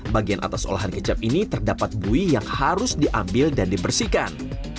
bagian atas olahan kecap ini terdapat bui yang harus diambil dan dibersihkan